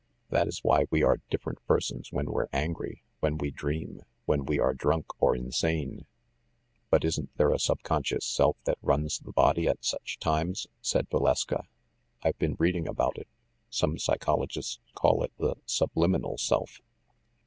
That is why we are different persons when we're angry, when we dream, when we are drunk or insane." "But isn't there a subconscious self that runs the body at such times?" said Valeska. "I've been read ing about it. Some psychologists call it the 'subliminal* self."